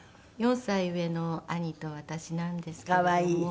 ４歳上の兄と私なんですけども。